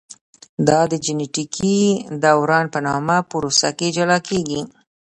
دا د جینټیکي دوران په نامه پروسه کې جلا کېږي.